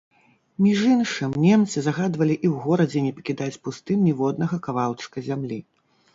Між іншым, немцы загадвалі і ў горадзе не пакідаць пустым ніводнага кавалачка зямлі.